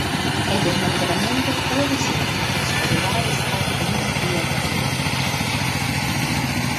El desmantelamiento puede ser hasta llegar al estado de una "tierra virgen".